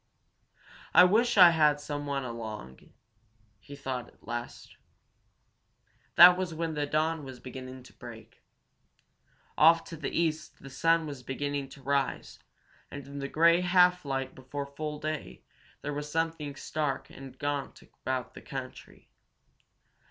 "I wish I had someone along!" he thought, at last. That was when the dawn was beginning to break. Off to the east the sun was beginning to rise, and in the grey half light before full day there was something stark and gaunt about the country.